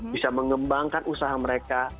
bisa mengembangkan usaha mereka